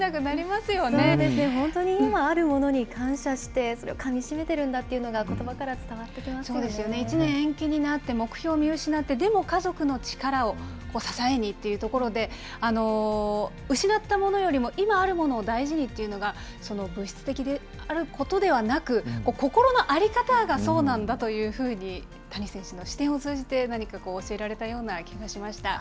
そうですよ、本当に今、あるものに感謝して、それをかみしめてるんだっていうのが、そうですよね、１年延期になって、目標を見失って、でも家族の力を支えにというところで、失ったものよりも今あるものを大事にっていうのが、物質的であることではなく、心の在り方がそうなんだというふうに、谷選手の視点を通じて何か教えられたような気がしました。